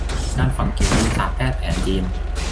การฝังเข็มเป็นศาสตร์แพทย์แผนจีน